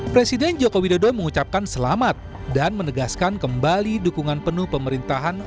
presiden joko widodo mengucapkan selamat dan menegaskan kembali dukungan penuh pemerintahan